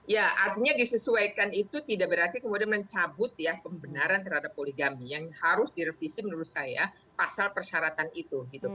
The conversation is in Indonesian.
ya artinya disesuaikan itu tidak berarti kemudian mencabut ya pembenaran terhadap poligami yang harus direvisi menurut saya pasal persyaratan itu